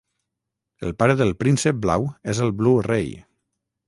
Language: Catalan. El pare del príncep blau és el Blu-Ray.